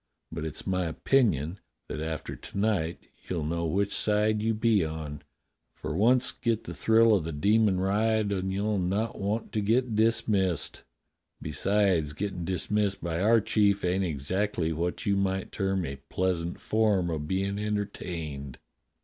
But it's my opinion that after to night you'll know which side you be on, for once get the thrill of the demon ride and you'll not want to get dismissed. Besides, gettin' dismissed by our chief ain't exactly what you might term a pleasant form of bein' entertained."